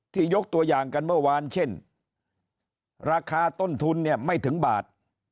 ยกตัวอย่างกันเมื่อวานเช่นราคาต้นทุนเนี่ยไม่ถึงบาท